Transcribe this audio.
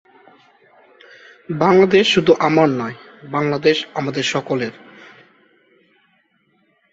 বাংলার বিপ্লবী সন্ত্রাসের ইতিহাসে মুজাফ্ফরপুরের হত্যাকান্ড একটি বিখ্যাত ঘটনা হিসেবে চিহ্নিত।